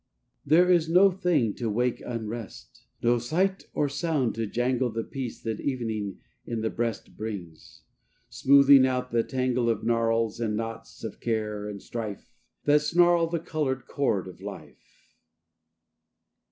IV There is no thing to wake unrest; No sight or sound to jangle The peace that evening in the breast Brings, smoothing out the tangle Of gnarls and knots of care and strife That snarl the colored cord of life.